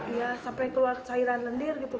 ya sampai keluar cairan lendir gitu